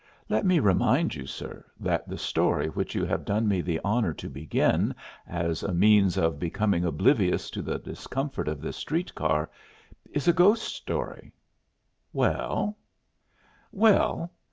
Let me remind you, sir, that the story which you have done me the honor to begin as a means of becoming oblivious to the discomfort of this car is a ghost story!" "Well?" "Well!